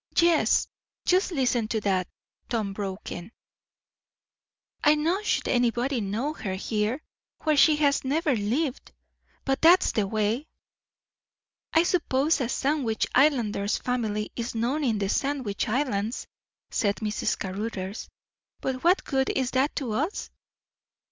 "Yes, just listen to that!" Tom broke in. "I xxow should anybody know her here, where she has never lived! But that's the way " "I suppose a Sandwich Islander's family is known in the Sandwich Islands," said Mrs. Caruthers. "But what good is that to us?"